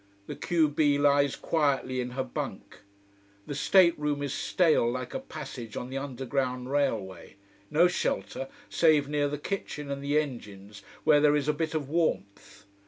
The q b lies quietly in her bunk. The state room is stale like a passage on the underground railway. No shelter, save near the kitchen and the engines, where there is a bit of warmth.